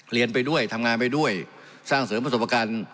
เรียนไปด้วยทำงานไปด้วยสร้างเสริมประสบการณ์